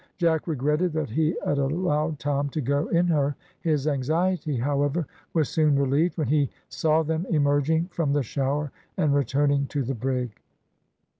Jack regretted that he had allowed Tom to go in her; his anxiety, however, was soon relieved when he saw them emerging from the shower and returning to the brig.